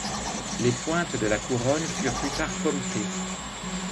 Les pointes de la couronne furent plus tard pommetées.